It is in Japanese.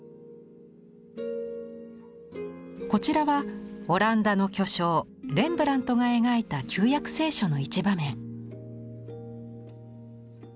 こちらはオランダの巨匠レンブラントが描いた「旧約聖書」の一場面。